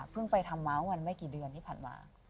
ไปทำมาวันไม่กี่เดือนที่ผ่านมา